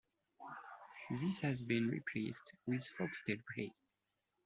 This has been replaced with Foxtel Play.